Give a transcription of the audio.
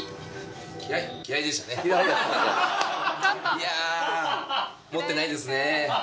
いや持ってないですね。